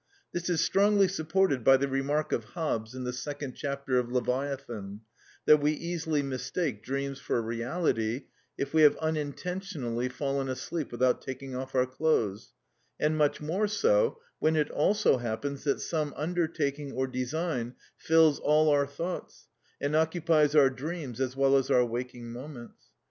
This is strongly supported by the remark of Hobbes in the second chapter of Leviathan, that we easily mistake dreams for reality if we have unintentionally fallen asleep without taking off our clothes, and much more so when it also happens that some undertaking or design fills all our thoughts, and occupies our dreams as well as our waking moments.